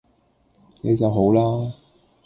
你就好啦